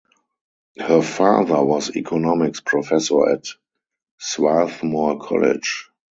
Her father was economics professor at Swarthmore College.